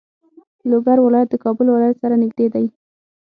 لوګر ولایت د کابل ولایت سره نږدې دی.